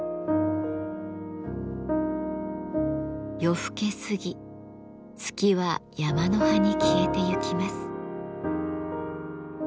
夜更け過ぎ月は山の端に消えてゆきます。